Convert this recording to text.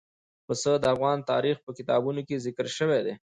پسه د افغان تاریخ په کتابونو کې ذکر شوي دي.